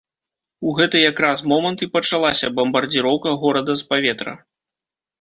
У гэты якраз момант і пачалася бамбардзіроўка горада з паветра.